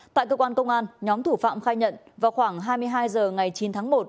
tại cơ quan công an nhóm thủ phạm khai nhận vào khoảng hai mươi hai h ngày chín tháng một